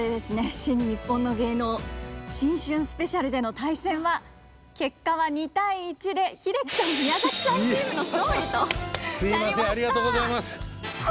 「新・にっぽんの芸能新春スペシャル」での対戦は結果は２対１で英樹さん宮崎さんチームの勝利となりました。